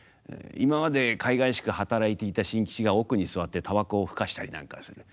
今までかいがいしく働いていた新吉が奥に座ってたばこを吹かしたりなんかする。